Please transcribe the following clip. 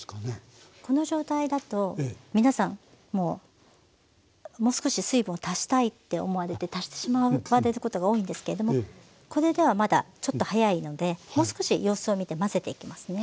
この状態だと皆さんもうもう少し水分を足したいって思われて足してしまわれることが多いんですけどもこれではまだちょっと早いのでもう少し様子を見て混ぜていきますね。